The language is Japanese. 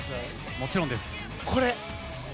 もちろんです。